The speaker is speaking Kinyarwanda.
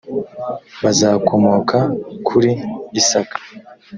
bazakomoka kuri isaka